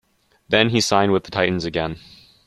Then, he signed with the Titans again.